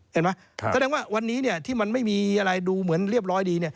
เห็นไหมแสดงว่าวันนี้ที่มันไม่มีอะไรดูเหมือนเรียบร้อยดี